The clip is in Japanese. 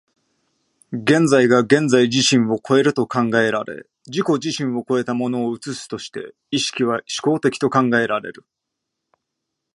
現在が現在自身を越えると考えられ、自己自身を越えたものを映すとして、意識は志向的と考えられる。